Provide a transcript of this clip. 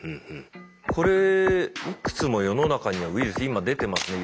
これいくつも世の中にはウイルス今出てますね。